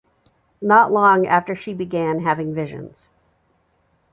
Not long after she began having visions.